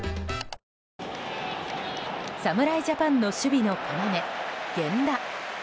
侍ジャパンの守備の要、源田。